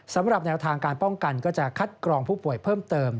สำหรับแนวทางการป้องกันก็จะคัดกรองผู้ป่วยเพิ่มเติม